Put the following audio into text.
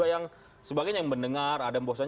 jadi ini ada saksi yang dihubungkan dengan pemerintah tersebut